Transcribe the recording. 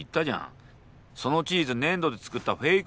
そのチーズ粘土で作ったフェイクだから。